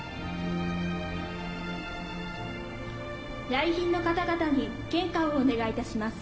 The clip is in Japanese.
来賓の方々に献花をお願いいたします。